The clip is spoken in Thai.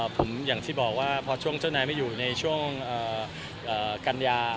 ผมอย่างที่บอกว่าพอช่วงเจ้านายไม่อยู่ในช่วงกัญญา